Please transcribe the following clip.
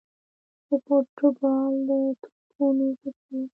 د فوټبال د توپونو په څېر.